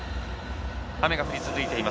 雨が降り続いています